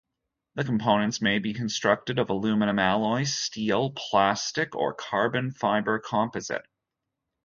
The components may be constructed of aluminium alloy, steel, plastic, or carbon fibre composite.